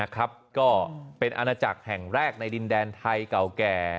ก็เป็นอาณาจักรแห่งแรกในดินแดนไทยเก่าแก่